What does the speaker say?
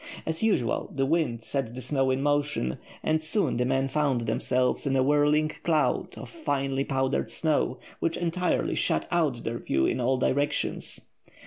As usual, the wind set the snow in motion, and soon the men found themselves in a whirling cloud of finely powdered snow which entirely shut out their view in all directions.